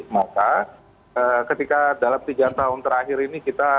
maka ketika dalam tiga tahun terakhir ini kita